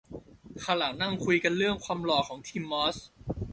ข้างหลังนั่งคุยกันเรื่องความหล่อของทีมออส